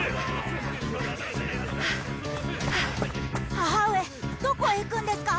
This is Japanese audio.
母上どこへ行くんですか？